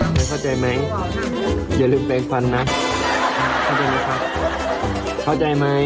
ทุกคนเข้าใจไหมเย้ลืมแปลงฟันนะเข้าใจไหม